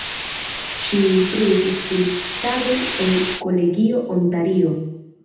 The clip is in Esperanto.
Ŝi instruis skulptadon en kolegio Ontario.